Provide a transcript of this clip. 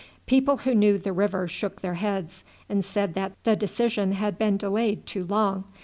People who knew the river shook their heads, and said that the decision had been delayed too long.